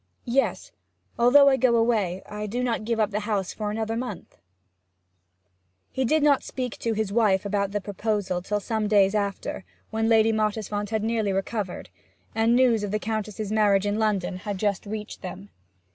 'Yes; although I go away, I do not give up the house for another month.' He did not speak to his wife about the proposal till some few days after, when Lady Mottisfont had nearly recovered, and news of the Countess's marriage in London had just reached them.